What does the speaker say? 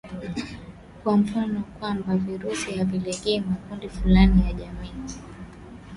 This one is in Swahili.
kwa mfano kwamba virusi havilengi makundi fulani ya jamii